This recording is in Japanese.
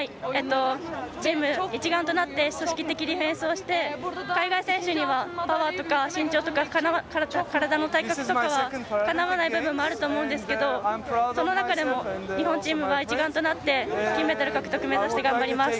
チーム一丸となって組織的ディフェンスをして海外選手にはパワーとか身長とか体の体格とかはかなわない部分もあると思うんですがその中でも日本人は一丸となって金メダル獲得目指して頑張ります。